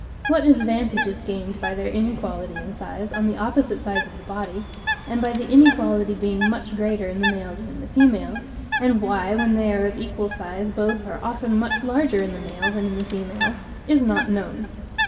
What advantage is gained by their inequality in size on the opposite sides of the body, and by the inequality being much greater in the male than in the female; and why, when they are of equal size, both are often much larger in the male than in the female, is not known.